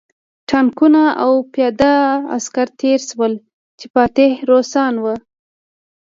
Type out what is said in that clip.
ټانکونه او پیاده عسکر تېر شول چې فاتح روسان وو